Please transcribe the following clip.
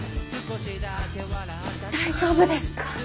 大丈夫ですか？